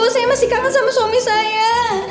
saya masih kangen sama suami saya